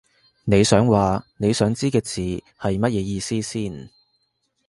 你想話你想知嘅字係乜嘢意思先